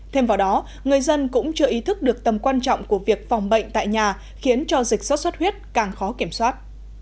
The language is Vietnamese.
thêm vào đó người dân cũng chưa ý thức được tầm quan trọng của việc phòng bệnh tại nhà khiến cho dịch sốt xuất huyết càng khó kiểm soát